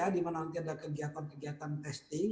di mana nanti ada kegiatan kegiatan testing